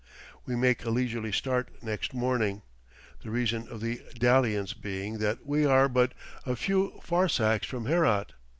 We make a leisurely start next morning, the reason of the dalliance being that we are but a few farsakhs from Herat.